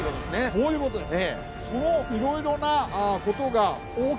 そういうことです。